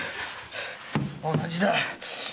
〔同じだ！